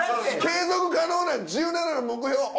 継続可能な１７の目標